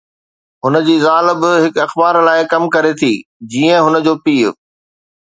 هن جي زال به هڪ اخبار لاءِ ڪم ڪري ٿي، جيئن هن جو پيءُ